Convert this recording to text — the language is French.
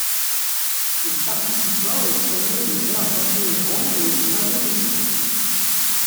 Il participa au Salon des arts incohérents et au Salon des Cent.